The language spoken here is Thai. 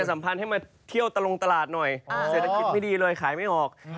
สัมพันธ์ให้มาเที่ยวตะลงตลาดหน่อยเศรษฐกิจไม่ดีเลยขายไม่ออก